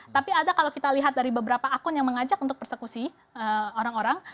tapi ada kalau kita lihat dari beberapa akun yang mengajak untuk persekusi orang orang